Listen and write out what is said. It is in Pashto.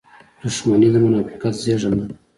• دښمني د منافقت زېږنده ده.